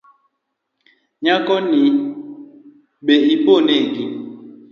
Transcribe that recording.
Nyako ni be ibo negi